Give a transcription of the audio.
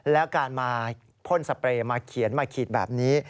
แล้วการมาพ่นสเปรย์มาเขียนมาขีดแบบนี้